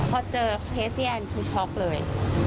พอเจอเคสนี้แอนคือช็อกเลย